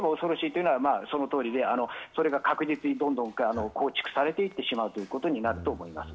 成功していれば恐ろしいというのはその通りで、確実にどんどんと構築されていってしまうということになると思います。